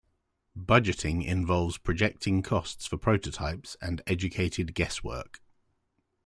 Budgeting involves projecting costs for prototypes, and educated guesswork.